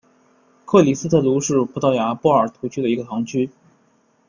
克里斯特卢是葡萄牙波尔图区的一个堂区。